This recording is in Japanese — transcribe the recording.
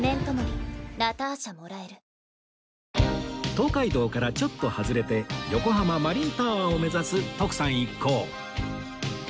東海道からちょっと外れて横浜マリンタワーを目指す徳さん一行